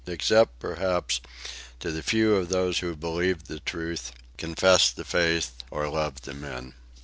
Except, perhaps, to the few of those who believed the truth, confessed the faith or loved the men.